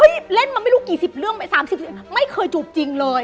เล่นมาไม่รู้กี่สิบเรื่อง๓๐ไม่เคยจูบจริงเลย